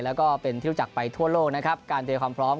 แล้วก็เป็นที่รู้จักไปทั่วโลกนะครับการเตรียมความพร้อม